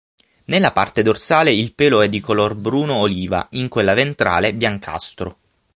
Nella parte dorsale il pelo è di color bruno oliva, in quella ventrale biancastro.